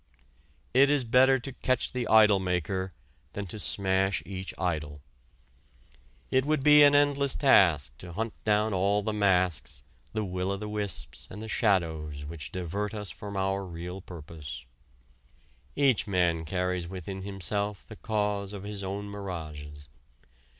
It is better to catch the idol maker than to smash each idol. It would be an endless task to hunt down all the masks, the will o' the wisps and the shadows which divert us from our real purpose. Each man carries within himself the cause of his own mirages.